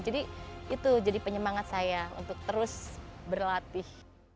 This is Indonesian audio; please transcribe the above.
jadi itu jadi penyemangat saya untuk terus berlatih